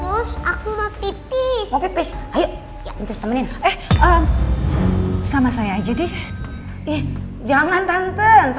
hai aku mau pipis pipis ayo temenin eh sama saya jadi jangan tante ntar